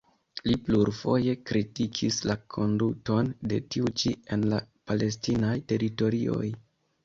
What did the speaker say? Li plurfoje kritikis la konduton de tiu ĉi en la palestinaj teritorioj.